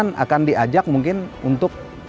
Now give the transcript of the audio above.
mereka bisa juga ist ribu rupiah